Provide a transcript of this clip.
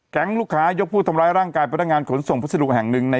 แก๊งรุมพนักงานผลส่งพัสดุไง